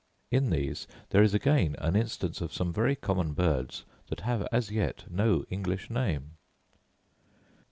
In these there is again an instance of some very common birds that have as yet no English name.